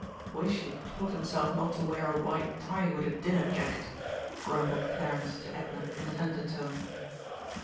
"Wish he'd taught himself not to wear a white tie with a dinner jacket!" grumbled Clarence to Edna in an undertone.